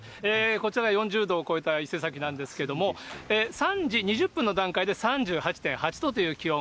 こちら４０度を超えた伊勢崎なんですけれども、３時２０分の段階で３８．８度という気温。